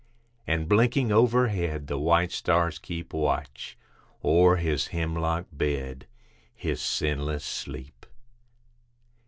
And blinking overhead the white stars keep Watch o'er his hemlock bed his sinless sleep.